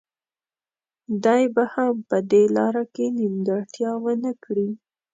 دی به هم په دې لاره کې نیمګړتیا ونه کړي.